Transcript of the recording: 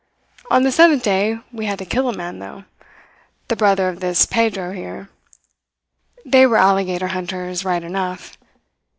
On the seventh day we had to kill a man, though the brother of this Pedro here. They were alligator hunters, right enough.